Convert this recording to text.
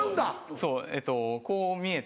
そうえっとこう見えて。